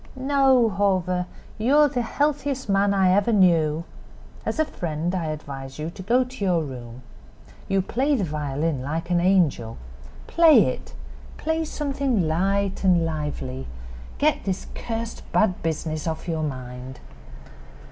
"No, Hawver; you are the healthiest man I ever knew. As a friend I advise you to go to your room. You play the violin like an angel. Play it; play something light and lively. Get this cursed bad business off your mind."